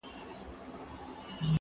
زه به سبا کتابتون ته ولاړم!.